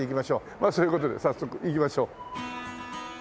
まあそういう事で早速行きましょう。